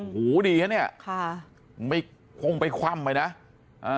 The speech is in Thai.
หูดีนะเนี่ยค่ะไม่คงไปคว่ำไปนะอ่า